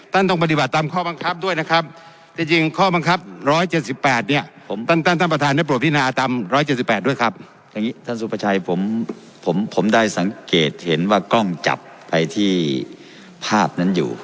ท่านต้องดูที่จอใหญ่